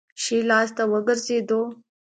ښي لاس ته وګرځېدو.